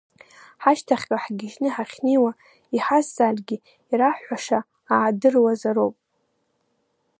Ҳашьҭахьҟа ҳгьежьны ҳахьнеиуа иҳазҵааргьы ираҳҳәаша аадыруазароуп!